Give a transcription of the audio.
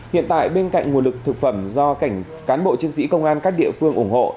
hiện tại bên cạnh nguồn lực thực phẩm do cảnh cán bộ chiến sĩ công an các địa phương ủng hộ